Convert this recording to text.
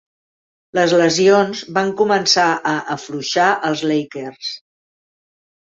Les lesions van començar a afluixar els Lakers.